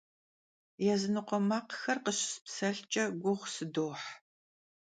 Yazınıkhue makhxer khışıspselhç'e guğu sıdoh.